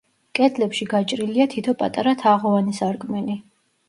კედლებში გაჭრილია თითო პატარა თაღოვანი სარკმელი.